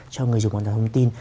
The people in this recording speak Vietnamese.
cho người dùng an toàn thông tin